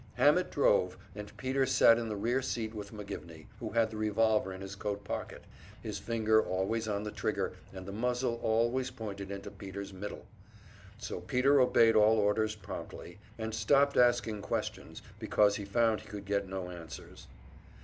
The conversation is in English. Hammett drove, and Peter sat in the rear seat with McGivney, who had the revolver in his coat pocket, his finger always on the trigger and the muzzle always pointed into Peter's middle. So Peter obeyed all orders promptly, and stopped asking questions because he found he could get no answers.